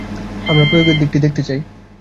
আমরা প্রয়োগের দিকটি দেখতে চাই।